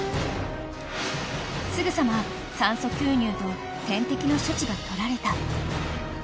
［すぐさま酸素吸入と点滴の処置が取られた］